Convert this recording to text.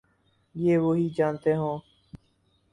یہ وہی جانتے ہوں۔